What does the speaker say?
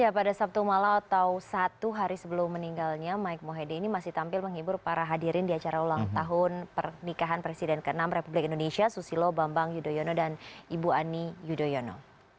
pada sabtu malam atau satu hari sebelum meninggalnya mike mohede ini masih tampil menghibur para hadirin di acara ulang tahun pernikahan presiden ke enam republik indonesia susilo bambang yudhoyono dan ibu ani yudhoyono